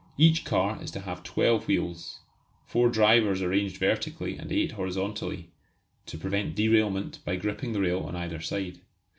Each car is to have twelve wheels, four drivers arranged vertically and eight horizontally, to prevent derailment by gripping the rail on either side.